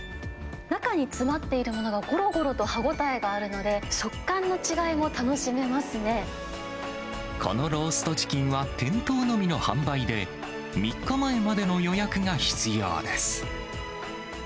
中に詰まっているものがごろごろと歯応えがあるので、このローストチキンは店頭のみの販売で、３日前までの予約が必要です。